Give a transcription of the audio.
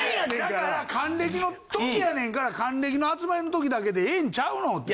だから還暦の時やねんから還暦の集まりの時だけでええんちゃうのって。